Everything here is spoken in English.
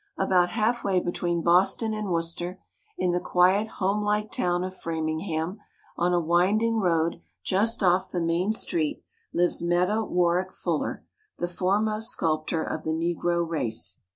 About half way between Boston and Worcester, in the quiet, homelike town of Framingham, on a winding road just off the main street, lives Meta Warrick Fuller, the foremost sculptor of the Negro race.